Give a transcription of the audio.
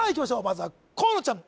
まずは河野ちゃん